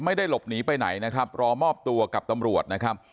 ไม่ได้หลบหนีไปไหนนะครับรอมอบตัวกับตำรวจนะครับ